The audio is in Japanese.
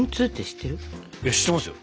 知ってますよ。